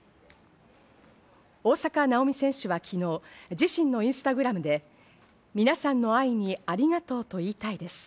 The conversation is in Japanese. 大坂なおみ選手は昨日、自身のインスタグラムで皆さんの愛にありがとうと言いたいです。